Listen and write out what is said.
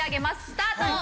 スタート！